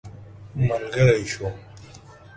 ملګری سو.